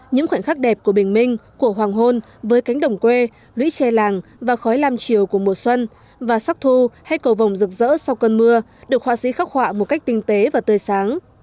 những khoảnh khắc đẹp của bình minh của hoàng hôn với cánh đồng quê lũy tre làng và khói lam chiều của mùa xuân và sắc thu hay cầu vòng rực rỡ sau cơn mưa được họa sĩ khắc họa một cách tinh tế và tươi sáng